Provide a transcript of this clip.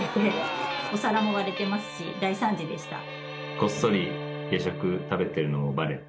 こっそり。